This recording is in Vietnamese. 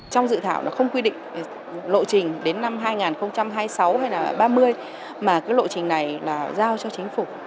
trong dự thảo là không quy định lộ trình đến năm hai nghìn hai mươi sáu hay là ba mươi mà cái lộ trình này là giao cho chính phủ